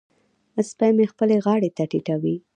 سپی مې خپلې غاړې ته ټيټوي.